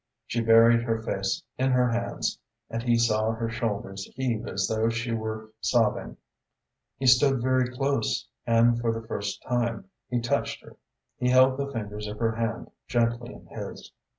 She buried her face in her hands, and he saw her shoulders heave as though she were sobbing. He stood very close and for the first time he touched her. He held the fingers of her hand gently in his.